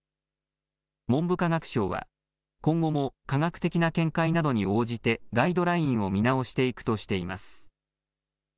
文部科学省は今後も科学的な見解などに応じてガイドラインを見直していくとしています。